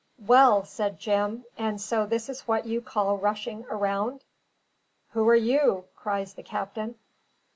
"Well!" said Jim; "and so this is what you call rushing around?" "Who are you?" cries the captain.